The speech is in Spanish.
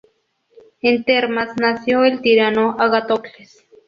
En Termas nació el tirano Agatocles.